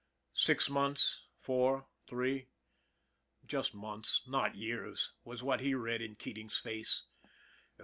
Six months, four, three, just months, not years, was what he read in Keating's face.